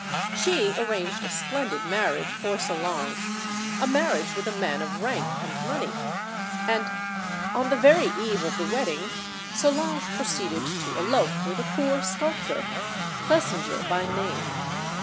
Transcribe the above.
She arranged a splendid marriage for Solange, a marriage "with a man of rank and money. And on the very eve of the wedding Solange proceeded to elope with a poor sculptor, Clesinger by name.